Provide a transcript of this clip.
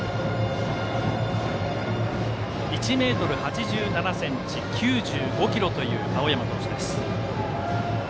１ｍ８７ｃｍ、９５ｋｇという青山投手。